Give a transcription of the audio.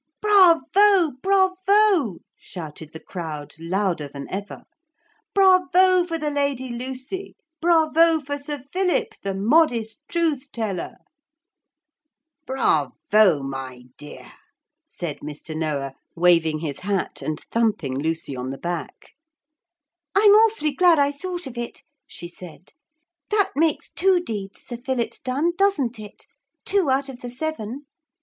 'Bravo! Bravo!' shouted the crowd louder than ever. 'Bravo, for the Lady Lucy! Bravo for Sir Philip, the modest truth teller!' [Illustration: So, all down the wide clear floor, Lucy danced.] 'Bravo, my dear,' said Mr. Noah, waving his hat and thumping Lucy on the back. 'I'm awfully glad I thought of it,' she said; 'that makes two deeds Sir Philip's done, doesn't it? Two out of the seven.'